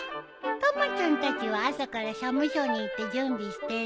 たまちゃんたちは朝から社務所に行って準備してる。